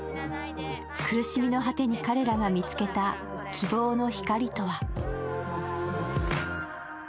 苦しみの果てに彼らが見つけた希望の光とは。